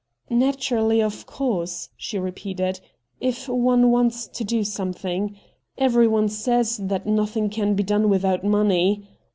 ' Naturally, of course,' she repeated, ' if one wants to do something. Everyone says that nothing can be done without money.